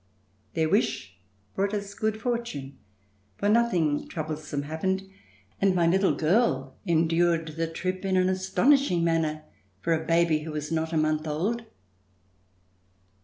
Their wish brought us good fortune for nothing troublesome happened, and my little girl endured the trip in an astonishing manner for a baby who was not a month old.